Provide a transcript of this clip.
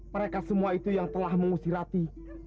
mereka semua itu yang telah mengusir hati